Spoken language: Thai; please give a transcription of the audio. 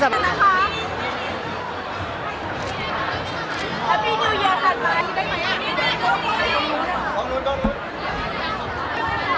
มันเป็นเรื่องน่ารักที่เวลาเจอกันเราต้องแซวอะไรอย่างเงี้ย